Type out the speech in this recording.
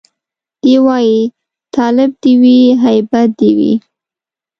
دی وايي تالب دي وي هيبت دي وي